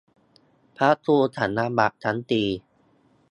พระครูสัญญาบัตรชั้นตรี